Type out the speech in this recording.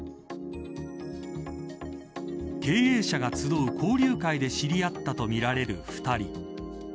経営者が集う交流会で知り合ったとみられる２人。